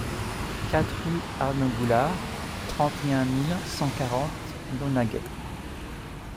quatre rUE ARNAUD GOULARD, trente et un mille cent quarante Launaguet